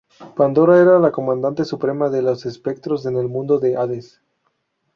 Pandora era la comandante suprema de los Espectros en el mundo de Hades.